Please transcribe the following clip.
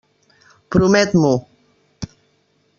Promet-m'ho.